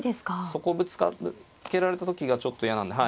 そこぶつけられた時がちょっと嫌なんで。